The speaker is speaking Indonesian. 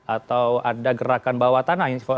atau ada gerakan bawah tanah